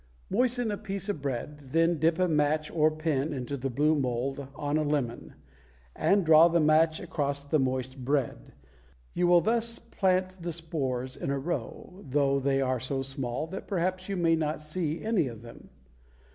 Moisten a piece of bread, then dip a match or a pin into the blue mold on a lemon, and draw the match across the moist bread. You will thus plant the spores in a row, though they are so small that perhaps you may not see any of them.